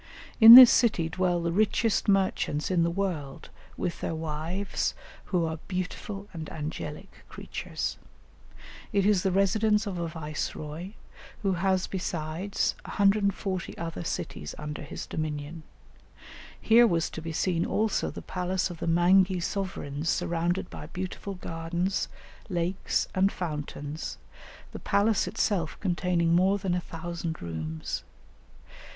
In this city dwell the richest merchants in the world with their wives, who are "beautiful and angelic creatures." It is the residence of a viceroy, who has besides, 140 other cities under his dominion. Here was to be seen also the palace of the Mangi sovereigns surrounded by beautiful gardens, lakes, and fountains, the palace itself containing more than a thousand rooms.